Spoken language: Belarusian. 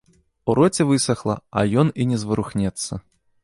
У роце высахла, а ён і не зварухнецца.